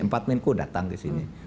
empat menko datang ke sini